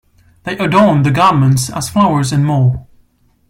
They adorned the garments as flowers and more.